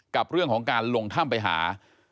กับเรื่องของการลงถ้ำไปหา